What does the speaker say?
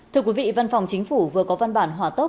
thưa quý vị văn phòng chính phủ vừa có văn bản hỏa tốc